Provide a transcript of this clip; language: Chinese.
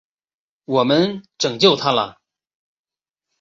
我们拯救他了！